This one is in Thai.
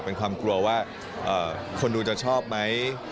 เป็นความกลัวว่าคนดูจะชอบไหม